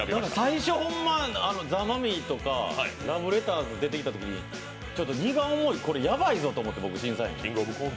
最初ホンマ、ザ・マミィとかラブレターズ出てきたときに、ちょっと荷が重い、これやばいぞと思って、僕、審査員。